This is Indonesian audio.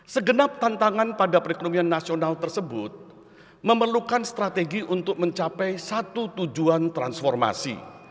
segenap tantangan pada perekonomian nasional tersebut memerlukan strategi untuk mencapai satu tujuan transformasi